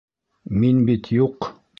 Мин бит юҡ.